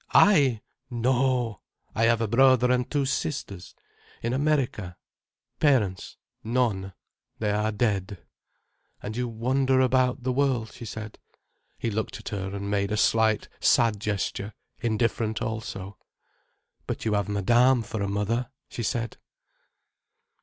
"I? No! I have a brother and two sisters—in America. Parents, none. They are dead." "And you wander about the world—" she said. He looked at her, and made a slight, sad gesture, indifferent also. "But you have Madame for a mother," she said.